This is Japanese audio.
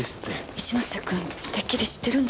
一ノ瀬君てっきり知ってるんだと思ってた。